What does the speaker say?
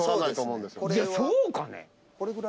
そうかね？